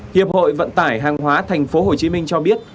hiệp hội vận tải hàng hóa thành phố hồ chí minh cho biết